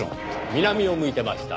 南を向いてました。